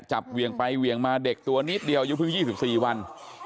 เหวี่ยงไปเหวี่ยงมาเด็กตัวนิดเดียวอายุเพิ่ง๒๔วัน